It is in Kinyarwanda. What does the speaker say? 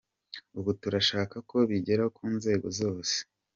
Ubu turashaka ko bigera ku nzego zose.